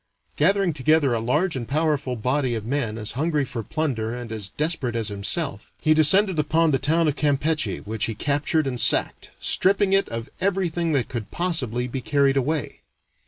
Gathering together a large and powerful body of men as hungry for plunder and as desperate as himself, he descended upon the town of Campeche, which he captured and sacked, stripping it of everything that could possibly be carried away.